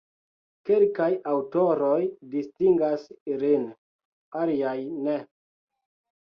Kelkaj aŭtoroj distingas ilin, aliaj ne.